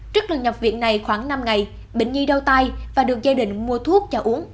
trước lần nhập viện này khoảng năm ngày bệnh nhi đau tay và được gia đình mua thuốc cho uống